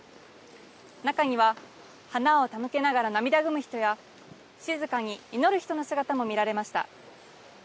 中には花を手向けながら涙ぐむ人や静かに祈る人の姿も見られました。